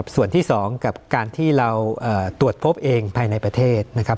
ส่วนที่๒กับการที่เราตรวจพบเองภายในประเทศนะครับ